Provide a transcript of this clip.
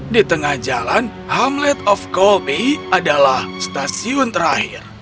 di tengah jalan hamlet of colpy adalah stasiun terakhir